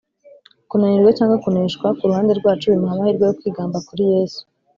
. Kunanirwa cyangwa kuneshwa ku ruhande rwacu bimuha amahirwe yo kwigamba kuri Yesu.